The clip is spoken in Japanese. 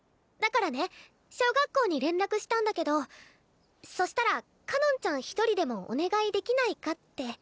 だからね小学校に連絡したんだけどそしたらかのんちゃん一人でもお願いできないかって。